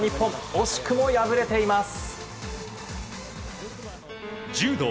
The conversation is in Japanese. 惜しくも敗れています。